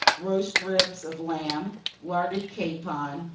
_ Roast Ribs of Lamb. Larded Capon.